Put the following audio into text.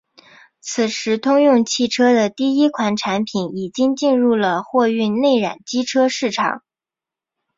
此时通用汽车的第一款产品已经进入了货运内燃机车市场。